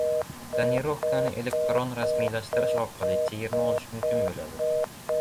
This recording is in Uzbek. "Tonirovka"ni elektron rasmiylashtirish orqali chegirma olish mumkin bo‘ladi